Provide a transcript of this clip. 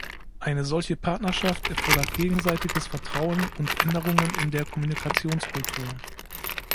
Eine solche Partnerschaft erfordert gegenseitiges Vertrauen und Änderungen in der Kommunikationskultur.